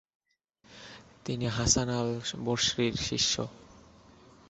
তিনি হাসান আল-বসরির শিষ্য।